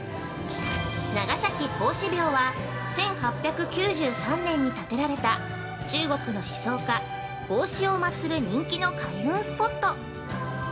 ◆長崎孔子廟は１８９３年に建てられた中国の思想家、孔子を祭る人気の開運スポット。